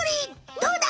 どうだ。